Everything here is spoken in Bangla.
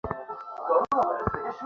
Bullet proof jacket, sir.